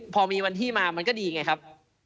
พอมีวันที่มามันก็ดีไงครับ